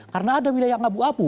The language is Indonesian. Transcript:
karena ada wilayah ngabu abu